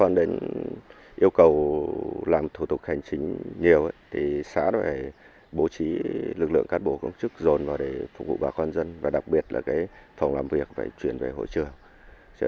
còn đến yêu cầu làm thủ tục hành chính nhiều thì xã đã phải bố trí lực lượng cán bộ công chức dồn vào để phục vụ bà con dân và đặc biệt là phòng làm việc phải chuyển về hội trường